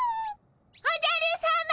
おじゃるさま！